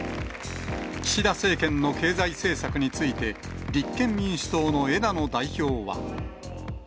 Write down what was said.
岸田政権の経済政策について、立憲民主党の枝野代表は。